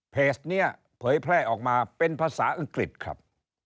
เพจนี้เผยแพร่ออกมาเป็นภาษาอังกฤษครับ